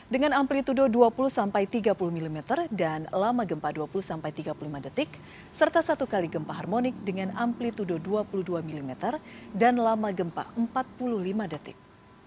dengan amplitude dua puluh tiga puluh mm dan lama gempa dua puluh tiga puluh lima detik serta satu kali gempa harmonik dengan amplitude dua puluh dua mm dan lama gempa empat puluh lima detik